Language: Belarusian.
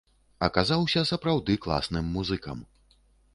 Аказаўся, сапраўды класным музыкам.